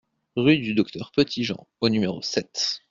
Rue du Docteur Petitjean au numéro sept